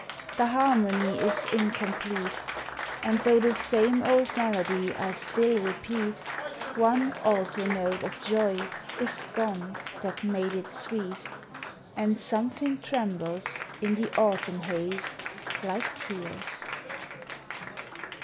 The harmony is incomplete. And though the same old melody I still repeat, One alto note of joy is gone that made it sweet, And something trembles in the Autumn haze like tears.